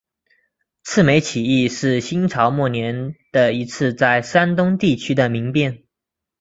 赤眉起义是新朝末年的一次在山东地区的民变。